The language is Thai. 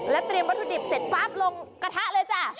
เตรียมวัตถุดิบเสร็จปั๊บลงกระทะเลยะ